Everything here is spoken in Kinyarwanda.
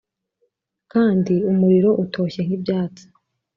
kandi umuriro utoshye nk'ibyatsi.